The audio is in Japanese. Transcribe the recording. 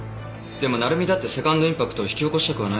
でも成海だってセカンドインパクトを引き起こしたくはないだろ。